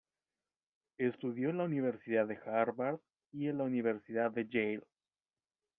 Estudió en la Universidad de Harvard y en la Universidad de Yale.